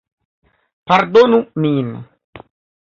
Pardonu min!